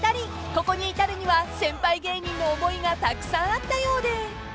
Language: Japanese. ［ここに至るには先輩芸人の思いがたくさんあったようで］